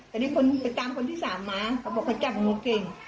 แต่นี่คนไปตามคนที่สามมาเขาบอกเขาจับงูเก่ง